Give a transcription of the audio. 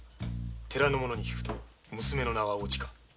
寺の者に聞くと娘の名はおちか。